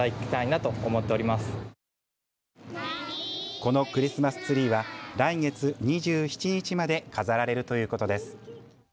このクリスマスツリーは来月２７日まで飾られるということです。